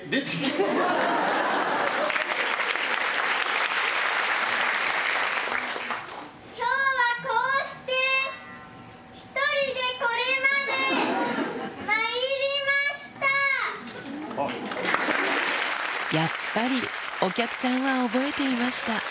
きょうはこうして、やっぱり、お客さんは覚えていました。